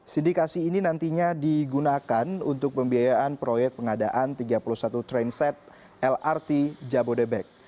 sindikasi ini nantinya digunakan untuk pembiayaan proyek pengadaan tiga puluh satu trainset lrt jabodebek